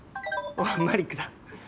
マリックだ。